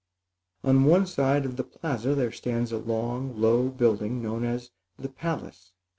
On one side of the plaza there stands a long, low building known as the Palace.